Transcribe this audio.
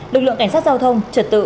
lực lượng cảnh sát giao thông trật tự